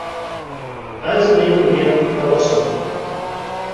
Also nehmen wir Barroso!